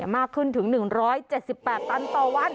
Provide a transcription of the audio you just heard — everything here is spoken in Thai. มากขึ้นถึง๑๗๘ตันต่อวัน